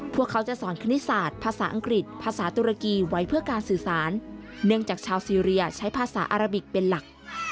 พวกเขาจะสอนคณิตศาสตร์ภาษาอังกฤษภาษาตุรกีไว้เพื่อการสื่อสารเนื่องจากชาวซีเรียใช้ภาษาอาราบิกเป็นหลัก